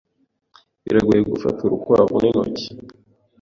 Biragoye gufata urukwavu n'intoki.